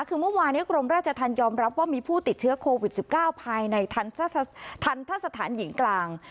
คือเมื่อวานนี้กรมราชธรรมยอมรับว่ามีผู้ติดเชื้อโควิด๑๙ภายในทันทะสถานหญิงกลาง